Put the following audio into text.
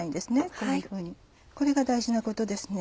こういうふうにこれが大事なことですね。